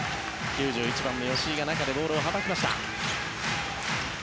９１番の吉井が中でボールをはたきました。